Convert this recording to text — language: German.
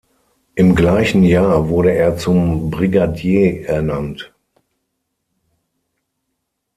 Im gleichen Jahr wurde er zum Brigadier ernannt.